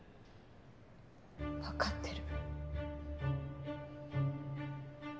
わかってる。